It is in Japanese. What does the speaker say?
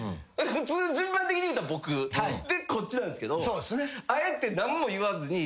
普通順番的に言うたら僕でこっちなんですけどあえて何も言わずに。